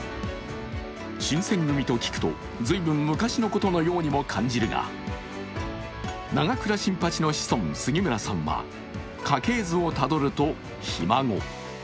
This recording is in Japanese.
新選組と聞くと、随分昔のことのように感じるが永倉新八の子孫、杉村さんは家系図をたどるとひ孫。